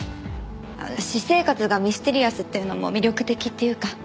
私生活がミステリアスっていうのも魅力的っていうか。